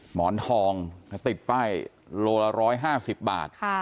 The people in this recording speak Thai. หมอนทองติดป้ายโลละ๑๕๐บาท